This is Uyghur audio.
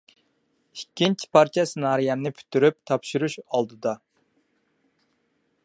ئىككىنچى پارچە سېنارىيەمنى پۈتتۈرۈپ تاپشۇرۇش ئالدىدا.